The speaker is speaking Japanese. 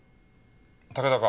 武田か。